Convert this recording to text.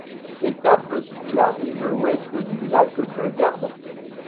L'étape suit la rive ouest du lac de Garde.